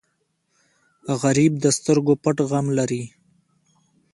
غریب د سترګو پټ غم لري